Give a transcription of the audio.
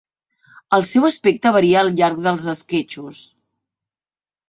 El seu aspecte varia al llarg dels esquetxos.